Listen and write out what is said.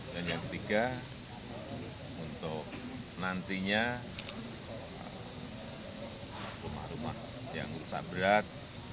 dan yang ketiga untuk nantinya rumah rumah yang rusak berat